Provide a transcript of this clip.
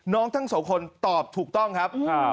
ทั้งสองคนตอบถูกต้องครับ